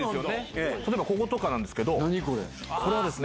例えばこことかなんですけど。